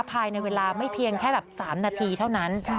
ภายในเวลาไม่เพียงแค่แบบ๓นาทีเท่านั้น